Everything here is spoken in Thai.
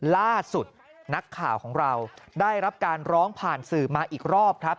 ล่าสุดนักข่าวของเราได้รับการร้องผ่านสื่อมาอีกรอบครับ